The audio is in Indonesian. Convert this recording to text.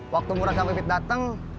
waktu murad sampai kepit datang